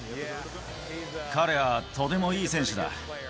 彼はとてもいい選手だ。